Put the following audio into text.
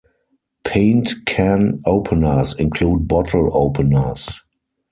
Paint Can Openers include bottle openers.